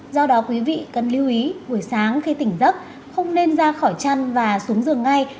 do đó quý vị cần lưu ý buổi sáng khi tỉnh dấc không nên ra khỏi chăn và xuống giường ngay